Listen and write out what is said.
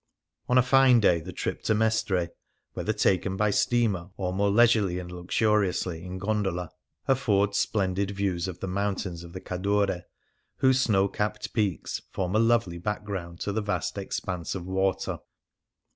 On a fine day the trip to Mestre, whether taken by steamer or, more leisurely and luxuriously, in gondola, affords splendid views of the mountains of the Cadore, whose snow capped peaks form a lovely background to the vast expanse of water.